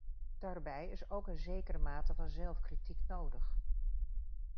Daarbij is ook een zekere mate van zelfkritiek nodig.